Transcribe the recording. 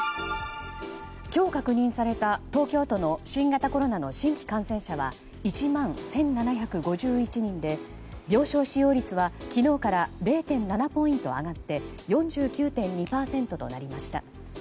今日確認された東京都の新型コロナの新規感染者は１万１７５１人で病床使用率は昨日から０．７ポイント上がって４９．２％となりました。